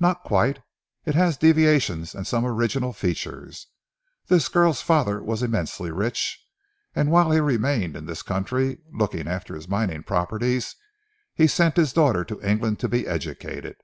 "Not quite. It has deviations and some original features. This girl's father was immensely rich, and whilst he remained in this country looking after his mining properties, he sent his daughter to England to be educated.